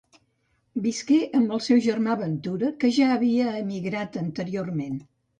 Visqué amb el seu germà Ventura que ja havia emigrat anteriorment.